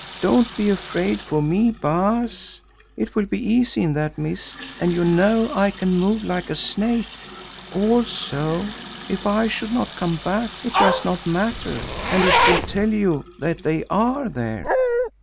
Don't be afraid for me, Baas, it will be easy in that mist and you know I can move like a snake. Also if I should not come back, it does not matter and it will tell you that they are there."